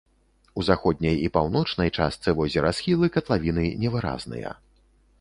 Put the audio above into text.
У заходняй і паўночнай частцы возера схілы катлавіны невыразныя.